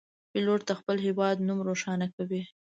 پیلوټ د خپل هیواد نوم روښانه کوي.